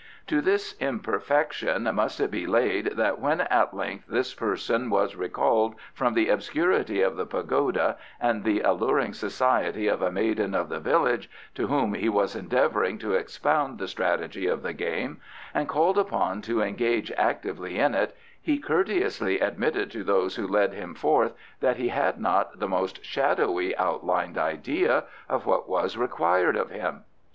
To this imperfection must it be laid that when at length this person was recalled from the obscurity of the pagoda and the alluring society of a maiden of the village, to whom he was endeavouring to expound the strategy of the game, and called upon to engage actively in it, he courteously admitted to those who led him forth that he had not the most shadowy outlined idea of what was required of him.